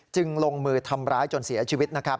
ลงมือทำร้ายจนเสียชีวิตนะครับ